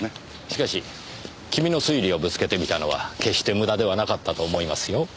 しかし君の推理をぶつけてみたのは決して無駄ではなかったと思いますよ。